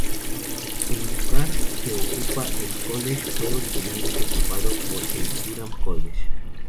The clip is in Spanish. El lugar que ocupa el college fue originalmente ocupado por el Durham College.